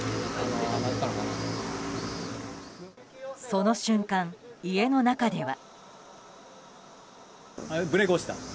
その瞬間、家の中では。